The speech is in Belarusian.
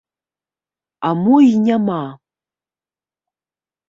А мо і няма.